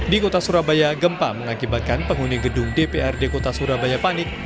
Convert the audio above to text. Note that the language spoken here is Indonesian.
di kota surabaya gempa mengakibatkan penghuni gedung dprd kota surabaya panik